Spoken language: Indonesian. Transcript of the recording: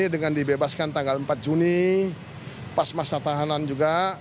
dengan dibebaskan tanggal empat juni pas masa tahanan juga